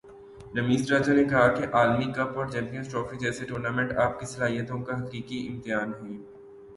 رمیز راجہ نے کہا کہ عالمی کپ اور چیمپئنز ٹرافی جیسے ٹورنامنٹ آپ کی صلاحیتوں کا حقیقی امتحان ہیں